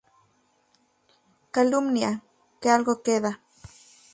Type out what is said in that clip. Calumnia, que algo queda